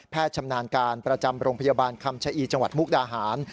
ชำนาญการประจำโรงพยาบาลคำชะอีจังหวัดมุกดาหาร